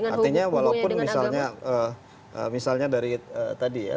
artinya walaupun misalnya dari tadi ya